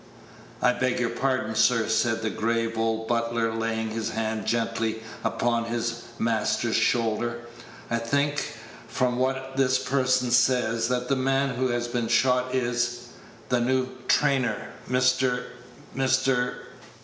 "I beg your pardon, sir," said the grave old butler, laying his hand gently upon his master's shoulder, "I think, from what this person says, that the man who had been shot is the new trainer, Mr. Mr.